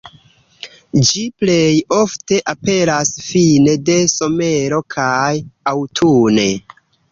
Ĝi plej ofte aperas fine de somero kaj aŭtune.